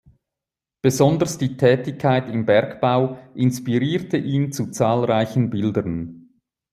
Besonders die Tätigkeit im Bergbau inspirierte ihn zu zahlreichen Bildern.